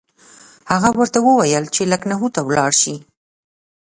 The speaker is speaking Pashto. هغه ورته وویل چې لکنهو ته ولاړ شي.